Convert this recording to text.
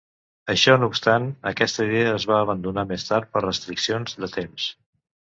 Això no obstant, aquesta idea es va abandonar més tard per restriccions de temps.